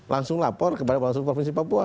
langsung lapor kepada bawaslu provinsi papua